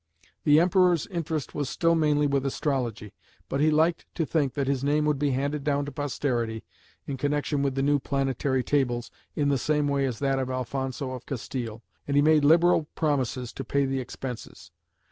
The Emperor's interest was still mainly with astrology, but he liked to think that his name would be handed down to posterity in connection with the new Planetary Tables in the same way as that of Alphonso of Castile, and he made liberal promises to pay the expenses.